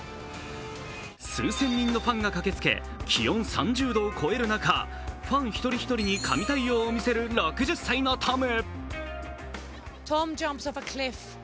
数千人のファンが駆けつけ、気温３０度を超える中、ファン一人一人に神対応を見せる６０歳のトム。